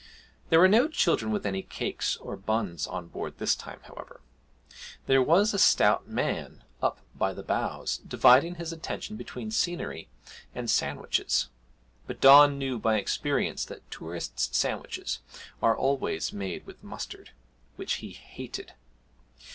There were no children with any cakes or buns on board this time, however. There was a stout man up by the bows, dividing his attention between scenery and sandwiches; but Don knew by experience that tourists' sandwiches are always made with mustard, which he hated.